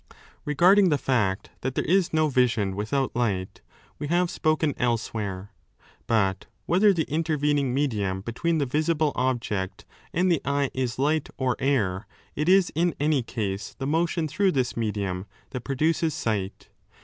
Begarding the fact that there is no vision without light, we have spoken elsewhere.^ But whether the intervening medium between the visible object and the eye is light or air, it is in any case the motion through this medium that produces sight.